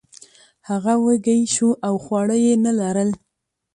هغه وږی شو او خواړه یې نه لرل.